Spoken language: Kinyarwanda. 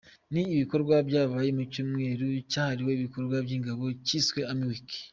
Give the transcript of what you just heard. Ni ibikorwa byabaye mu cyumweru cyahariwe ibikorwa by’ingabo cyiswe ‘Army Week.